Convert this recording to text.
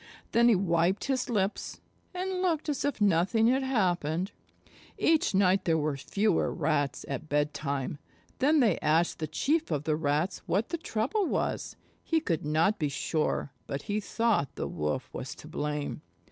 Then he wiped his lips, and looked as if nothing had happened. Each night there were fewer Rats at bedtime. Then they asked the Chief of the Rats what the trouble was. He could not be sure, but he thought the Wolf was to blame.